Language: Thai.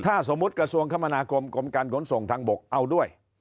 ถ้าสมมุติกระทรวงคมนาคมกรมการขนส่งทางบกเอาด้วย